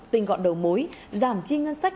tình gọn đầu mối giảm chi ngân sách